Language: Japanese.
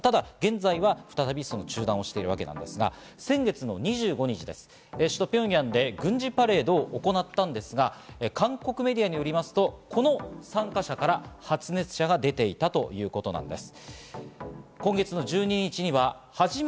現在は再び中断しているわけなんですが、先月の２５日、首都・ピョンヤンで軍事パレードを行ったんですが、韓国メディアによりますと、この参加者から発熱者が出ていたということなんです。